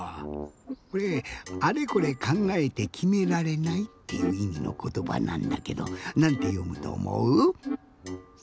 これ「あれこれかんがえてきめられない」っていういみのことばなんだけどなんてよむとおもう？